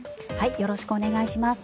よろしくお願いします。